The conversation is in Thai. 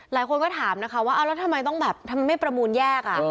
หลายคนก็ถามนะคะว่าแล้วทำไมไม่ต้องประมูลแยก